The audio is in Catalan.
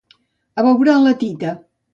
Abeurar la tita.